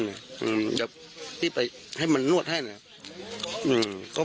เดี๋ยวพี่ไปให้มันนวดให้นะครับ